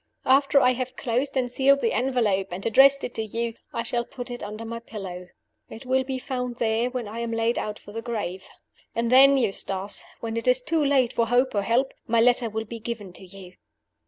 After I have closed and sealed the envelope, and addressed it to you, I shall put it under my pillow. It will be found there when I am laid out for the grave and then, Eustace (when it is too late for hope or help), my letter will be given to you.